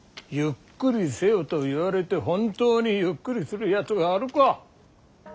ゆっくりせよと言われて本当にゆっくりするやつがあるか。